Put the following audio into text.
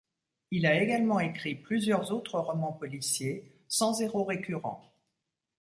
Il a également écrit plusieurs autres romans policiers sans héros récurrents.